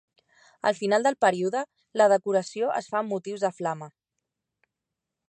Al final del període, la decoració es fa amb motius de flama.